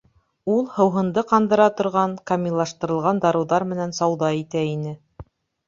Ул, һыуһынды ҡандыра торған, камиллаштырылған дарыуҙар менән сауҙа итә ине.